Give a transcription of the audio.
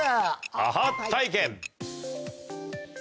アハ体験。